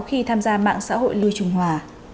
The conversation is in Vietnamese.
khi tham gia mạng xã hội lưu trùng hòa